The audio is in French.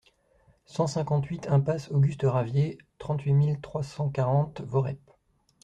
cent cinquante-huit impasse Auguste Ravier, trente-huit mille trois cent quarante Voreppe